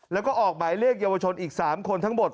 แล้วก็ออกหมายเรียกเยาวชนอีก๓คนทั้งหมด